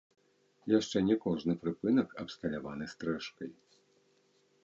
Яшчэ не кожны прыпынак абсталяваны стрэшкай.